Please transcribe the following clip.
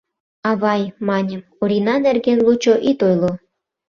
— Авай, — маньым, — Орина нерген лучо ит ойло.